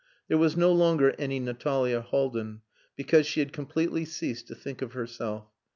There was no longer any Natalia Haldin, because she had completely ceased to think of herself.